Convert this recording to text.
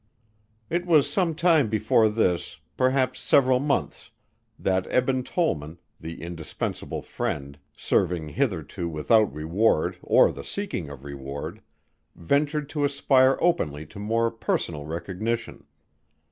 It was some time before this, perhaps several months, that Eben Tollman, the indispensable friend serving hitherto without reward or the seeking of reward ventured to aspire openly to more personal recognition.